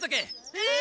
えっ？